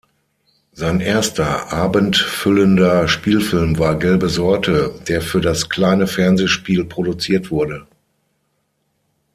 Sein erster abendfüllender Spielfilm war "Gelbe Sorte", der für das kleine Fernsehspiel produziert wurde.